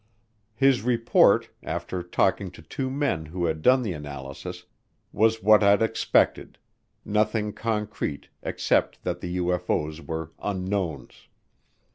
His report, after talking to two men who had done the analysis, was what I'd expected nothing concrete except that the UFO's were unknowns.